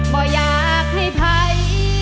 ก็อยากให้ภัย